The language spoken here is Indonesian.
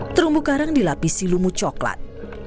terumbu karang dilapisi lumut coklat